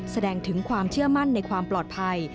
แสดงถึงความเชื่อมั่นในความปลอดภัย